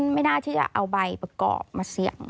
ไม่น่าที่จะเอาใบประกอบมาเสี่ยง